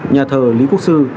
nhà thờ lý quốc sư